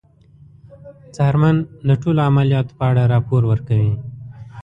څارمن د ټولو عملیاتو په اړه راپور ورکوي.